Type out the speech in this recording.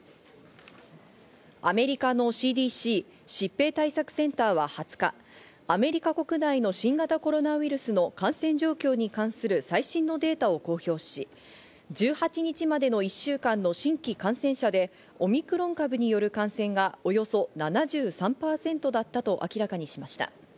アメリカのＣＤＣ＝疾病対策センターは２０日、アメリカ国内の新型コロナウイルスの感染状況に関する最新のデータを公表し、１８日までの一週間の新規感染者でオミクロン株による感染がおよそ７３％だったと明らかにしました。